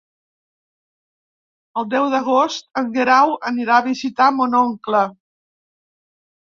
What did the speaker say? El deu d'agost en Guerau anirà a visitar mon oncle.